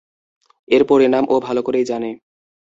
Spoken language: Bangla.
এর পরিণাম ও ভালো করেই জানে।